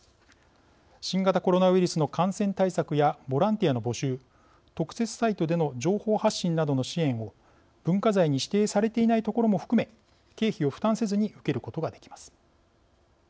新型コロナウイルスの感染対策やボランティアの募集特設サイトでの情報発信などの支援を文化財に指定されていないところも含め経費を負担せずに受けることができます。